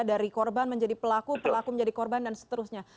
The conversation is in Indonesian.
dari korban menjadi pelaku pelaku menjadi korban dan seterusnya